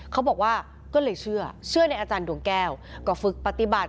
เขาบอกว่าก็เลยเชื่อในอาจารย์ดวงแก้วก็ฝึกปฏิบัติ